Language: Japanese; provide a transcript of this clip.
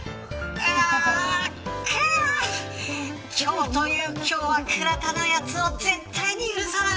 今日という今日は倉田のやつは絶対に許さない。